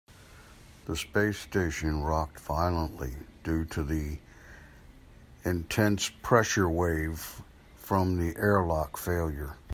The space station rocked violently due to the intense pressure wave from the airlock failure.